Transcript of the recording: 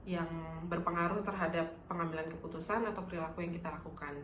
yang berpengaruh terhadap pengambilan keputusan atau perilaku yang kita lakukan